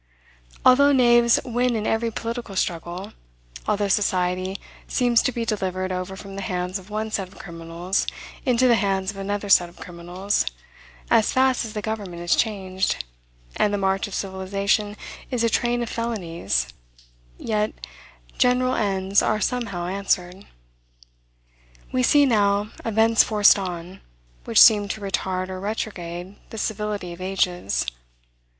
Although knaves win in every political struggle, although society seems to be delivered over from the hands of one set of criminals into the hands of another set of criminals, as fast as the government is changed, and the march of civilization is a train of felonies, yet, general ends are somehow answered. We see, now, events forced on, which seem to retard or retrograde the civility of ages.